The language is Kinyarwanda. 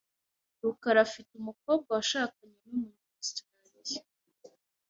rukara afite umukobwa washakanye numunyaustraliya .